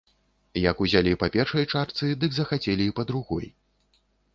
Як узялі па першай чарцы, дык захацелі і па другой.